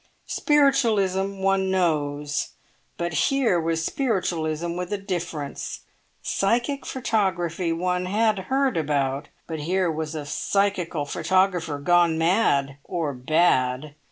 Spiritualism one knows, but here was spiritualism with a difference; psychic photography one had heard about, but here was a psychical photographer gone mad or bad!